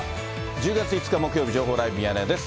１０月５日木曜日、情報ライブミヤネ屋です。